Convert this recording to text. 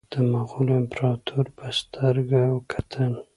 د مغولو امپراطور په سترګه کتل.